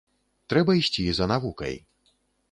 Трэба ісці за навукай.